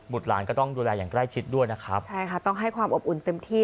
หลานก็ต้องดูแลอย่างใกล้ชิดด้วยนะครับใช่ค่ะต้องให้ความอบอุ่นเต็มที่